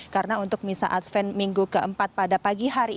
karena untuk misal advent minggu keempat pada pagi hari